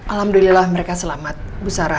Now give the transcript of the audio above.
alhamdulillah mereka selamat bu sarah